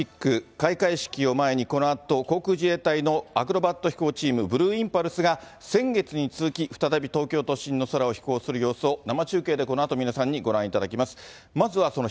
開会式を前に、このあと航空自衛隊のアクロバット飛行チーム、ブルーインパルスが、先月に続き、再び東京都心の空を飛行する様子を生中継でこのあと皆さんにご覧いただきます。